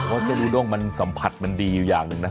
เพราะเส้นูด้งมันสัมผัสมันดีอยู่อย่างหนึ่งนะ